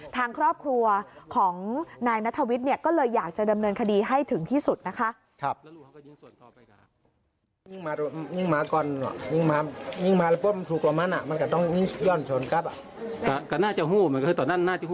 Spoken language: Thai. ทางครอบครัวของนายนัทวิทย์ก็เลยอยากจะดำเนินคดีให้ถึงที่สุดนะคะ